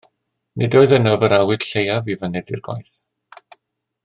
Nid oedd ynof yr awydd lleiaf i fyned i'r gwaith.